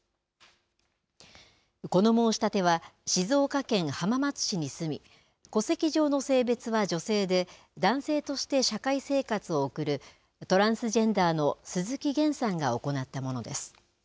この申し立ては静岡県浜松市に住み戸籍上の性別は女性で男性として社会生活を送るトランスジェンダーの鈴木げんさんが行ったものです。